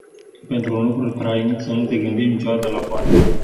Pentru un lucru trainic să nu te gândești niciodată la bani.